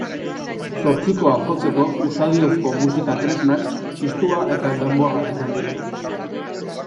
Zortzikoak jotzeko usadiozko musika tresnak txistua eta danborra izan dira.